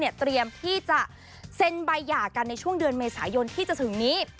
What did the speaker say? เตรียมที่จะเซ็นใบหย่ากันในช่วงเดือนเมษายนที่จะถึงนี้